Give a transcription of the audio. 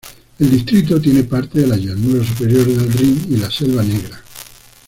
El distrito tiene parte de la llanura superior del Rin y la Selva Negra.